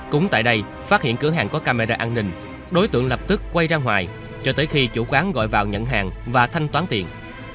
cũng tại đây phát hiện cửa hàng có camera an ninh đối tượng lập tức quay ra ngoài cho tới khi chủ quán gọi vào nhận hàng và thanh toán tiền